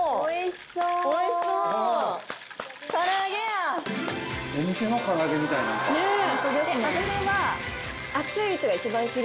おいしそう！ねぇ。